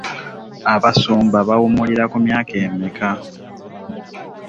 Abasumba bawummulira ku myaka emeka?